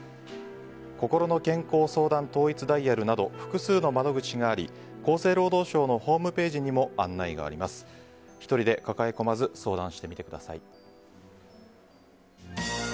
こころの健康相談統一ダイヤルなど複数の窓口があり厚生労働省のホームページにも案内があります。